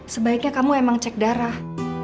sebaiknya kamu emang cek darah